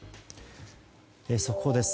速報です。